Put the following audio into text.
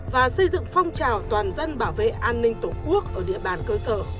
và xây dựng phong trào toàn dân bảo vệ an ninh tổ quốc ở địa bàn cơ sở